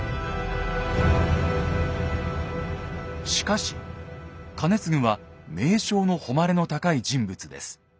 しかし兼続は名将の誉れの高い人物です。